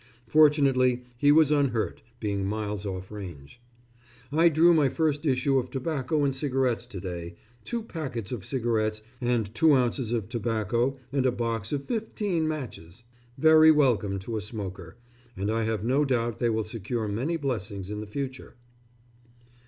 Fortunately he was unhurt, being miles off range. I drew my first issue of tobacco and cigarettes to day two packets of cigarettes and 2oz. of tobacco and a box of fifteen matches! Very welcome to a smoker, and I have no doubt they will secure many blessings in the future....